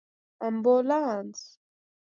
🚑 امبولانس